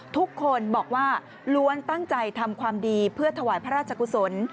ทุกคนบอกว่าล้วนตั้งใจทำความดีเพื่อถวายพระราชกุศล